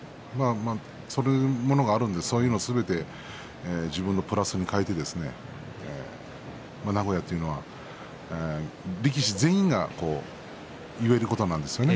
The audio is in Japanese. そういうものもすべて自分のプラスに変えて名古屋というのは力士全員に言えることなんですよね。